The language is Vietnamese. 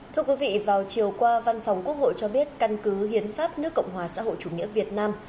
thưa quý vị vào chiều qua văn phòng quốc hội cho biết căn cứ hiến pháp nước cộng hòa xã hội chủ nghĩa việt nam